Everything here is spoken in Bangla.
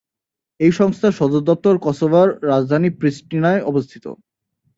এই সংস্থার সদর দপ্তর কসোভোর রাজধানী প্রিস্টিনায় অবস্থিত।